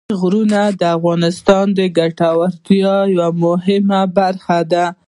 پابندي غرونه د افغانانو د ګټورتیا یوه مهمه برخه ده.